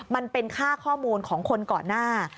มันเป็นค่าข้อมูลของคนก่อนหน้า